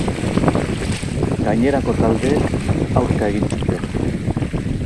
Gainerako taldeek aurka egin zuten.